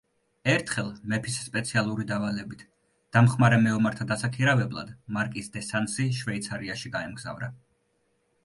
ერთხელ, მეფის სპეციალური დავალებით, დამხმარე მეომართა დასაქირავებლად მარკიზ დე სანსი შვეიცარიაში გაემგზავრა.